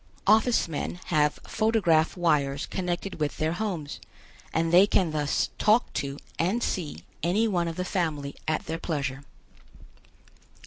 Office men have photograph wires connected with their homes, and they can thus talk to and see any one of the family at their pleasure.